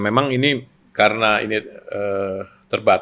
memang ini karena ini terlalu banyak